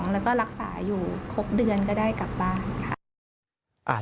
แล้วก็รักษาอยู่ครบเดือนก็ได้กลับบ้านค่ะ